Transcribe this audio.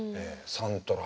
サントラ。